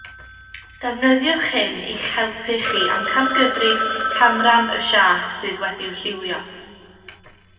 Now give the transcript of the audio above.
Defnyddiwch hyn i'ch helpu chi amcangyfrif canran y siâp sydd wedi'i liwio